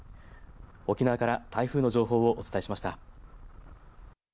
沖縄から台風の情報をお伝えしました。